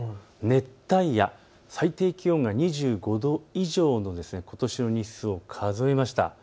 熱帯夜、最低気温が２５度以上のことしの日数を数えました。